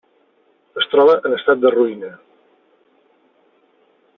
Es troba en estat de ruïna.